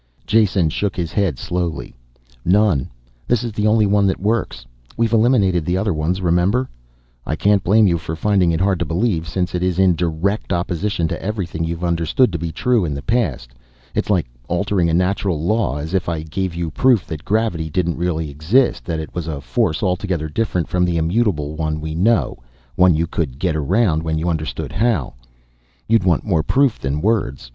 Jason shook his head slowly. "None. This is the only one that works. We've eliminated the other ones, remember? I can't blame you for finding it hard to believe, since it is in direct opposition to everything you've understood to be true in the past. It's like altering a natural law. As if I gave you proof that gravity didn't really exist, that it was a force altogether different from the immutable one we know, one you could get around when you understood how. You'd want more proof than words.